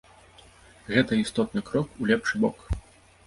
Гэта істотны крок у лепшы бок.